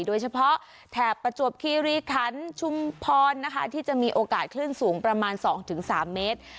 แถบประจวบคีรีคันชุมพรนะคะที่จะมีโอกาสคลื่นสูงประมาณ๒๓เมตร